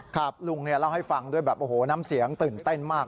ครับลุงเล่าให้ฟังด้วยแบบโอ้โหน้ำเสียงตื่นเต้นมาก